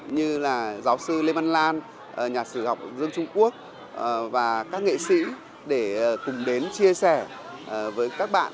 như là giáo sư lê văn lan nhà sử học dương trung quốc và các nghệ sĩ để cùng đến chia sẻ với các bạn